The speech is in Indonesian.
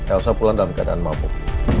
elsa pulang dalam keadaan mabuk